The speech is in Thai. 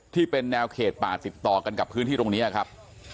ที่เป็นแนวเขตป่าติดต่อกันกับพื้นที่ตรงนี้ครับ